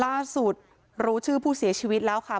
รู้ชื่อผู้เสียชีวิตแล้วค่ะ